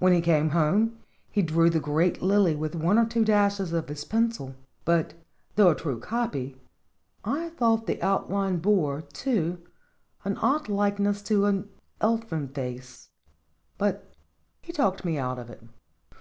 When we came home, he drew the great lily with one or two dashes of his pencil ; but though a true copy, I thought the outline bore, too, an odd likeness to an elfin face ; but he talked me out of it.